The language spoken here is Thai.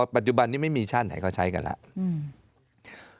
ปัจจุบันนี้ไม่มีชาติไหนเขาใช้กันแล้ว